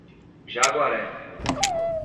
Jaguaré